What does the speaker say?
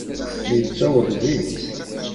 Yettaweḍ zik.